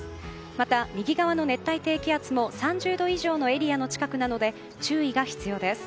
また、右側の熱帯低気圧も３０度以上のエリアの近くなので注意が必要です。